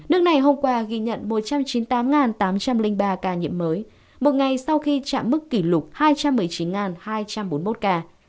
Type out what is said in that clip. nước này hôm qua ghi nhận một trăm chín mươi tám tám trăm linh ba ca nhiễm mới một ngày sau khi chạm mức kỷ lục hai trăm một mươi chín hai trăm bốn mươi một ca